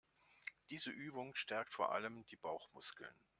Diese Übung stärkt vor allem die Bauchmuskeln.